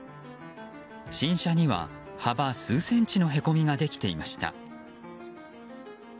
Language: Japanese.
新車には幅数センチのへこみができていました。